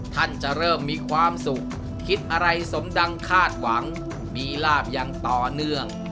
ท่านจะเริ่มมีความสุขคิดอะไรสมดังคาดหวังมีลาบอย่างต่อเนื่อง